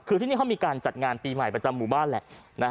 คือที่นี่เขามีการจัดงานปีใหม่ประจำหมู่บ้านแหละ